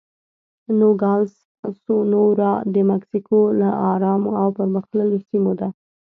نوګالس سونورا د مکسیکو له ارامو او پرمختللو سیمو ده.